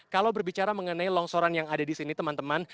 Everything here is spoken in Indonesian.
kalau berbicara mengenai longsoran yang ada di sini teman teman